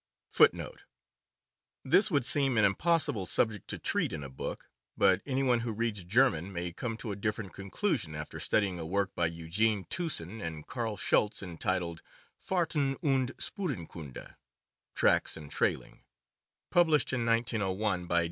This woiild seem an impossible subject to treat in a book; but any one who reads German may come to a different conclusion after studying a work by Eugen Teuwsen and Carl Schulze, entitled, Fdhrten und Spurenkunde (Tracks and Trailing), published in 1901 by J.